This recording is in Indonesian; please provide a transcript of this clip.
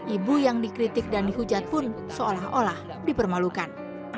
ibu yang dikritik dan dihujat pun seolah olah dipermalukan